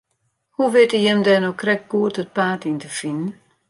Hoe witte jim dêr no krekt goed it paad yn te finen?